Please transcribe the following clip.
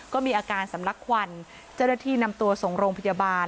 ก็มีอาการสำลักควันเจ้าหน้าที่นำตัวส่งโรงพยาบาล